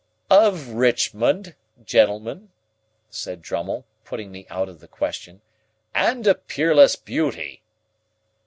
"Of Richmond, gentlemen," said Drummle, putting me out of the question, "and a peerless beauty."